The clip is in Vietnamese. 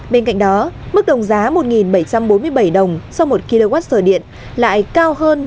bên cạnh đó mức đồng giá một nghìn bảy trăm bốn mươi bảy đồng so với một kwh điện lại cao hơn